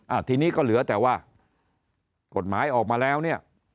ทีนี้ก็เหลือแต่ว่ากฎหมายออกมาแล้วเนี่ย